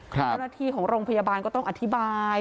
เจ้าหน้าที่ของโรงพยาบาลก็ต้องอธิบาย